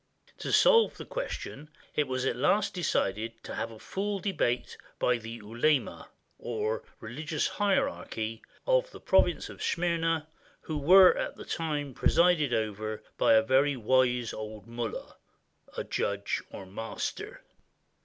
To solve the question, it was at last decided to have a full debate by the ulema [religious hierarchy] of the province of Smyrna, who were at the time presided over by a very wise old mollah [judge, or master].